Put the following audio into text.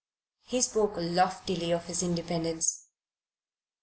He spoke loftily of his independence.